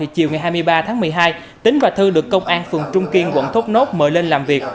chiều ngày hai mươi ba tháng một mươi hai tính và thư được công an phường trung kiên quận thốt nốt mời lên làm việc